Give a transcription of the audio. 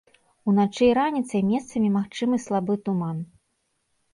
Уначы і раніцай месцамі магчымы слабы туман.